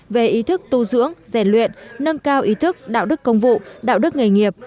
về ý thức tu dưỡng rèn luyện nâng cao ý thức đạo đức công vụ đạo đức nghề nghiệp